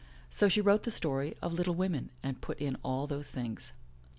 So she wrote the story of Little Women and put in all those things.